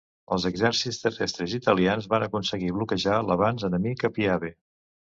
Els exèrcits terrestres italians van aconseguir bloquejar l'avanç enemic a Piave.